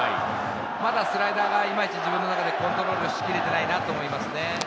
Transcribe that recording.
まだスライダーが自分の中でいまいちコントロールしきれていないなと思いますね。